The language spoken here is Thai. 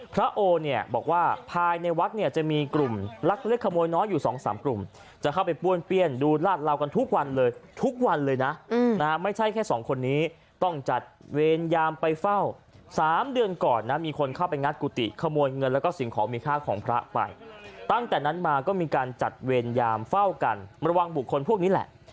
โอเนี่ยบอกว่าภายในวัดเนี่ยจะมีกลุ่มลักเล็กขโมยน้อยอยู่สองสามกลุ่มจะเข้าไปป้วนเปี้ยนดูลาดเหลากันทุกวันเลยทุกวันเลยนะไม่ใช่แค่สองคนนี้ต้องจัดเวรยามไปเฝ้าสามเดือนก่อนนะมีคนเข้าไปงัดกุฏิขโมยเงินแล้วก็สิ่งของมีค่าของพระไปตั้งแต่นั้นมาก็มีการจัดเวรยามเฝ้ากันระวังบุคคลพวกนี้แหละ